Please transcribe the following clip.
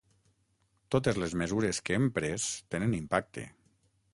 Totes les mesures que hem pres tenen impacte.